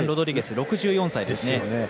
６４歳ですよね。